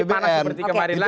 panas seperti kemarin lagi